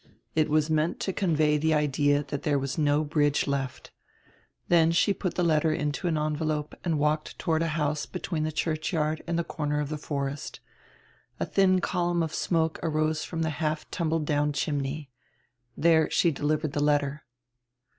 It was meant to convey tire idea that there was no bridge left. Then she put tire letter into an envel ope and walked toward a house between die churchyard and die corner of die forest. A thin column of smoke arose from tire half tumbled down chimney. There she delivered die letter.